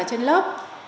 ở trên lớp